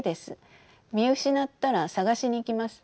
見失ったら探しに行きます。